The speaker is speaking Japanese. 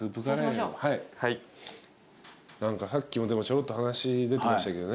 何かさっきもちょろっと話出てましたけどね